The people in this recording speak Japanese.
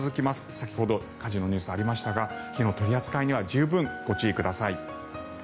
先ほど火事のニュースがありましたが火の取り扱いには十分ご注意ください。